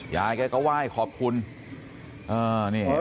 ยายแกก็ไหว้ขอบคุณ